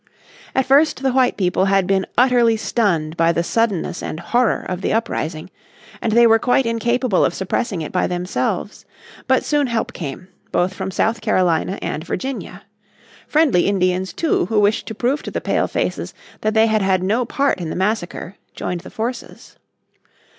At first the white people had been utterly stunned by the suddenness and horror of the uprising, and they were quite incapable of suppressing it by themselves. But soon help came, both from South Carolina and Virginia. Friendly Indians too, who wished to prove to the Pale faces that they had had no part in the massacre, joined the forces.